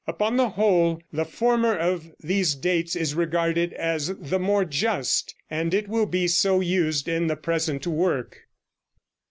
Upon the whole, the former of these dates is regarded as the more just, and it will be so used in the present work.